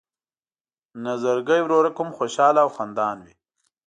نظرګی ورورک هم خوشحاله او خندان وي.